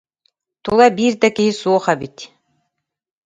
Тула биир да киһи суох эбит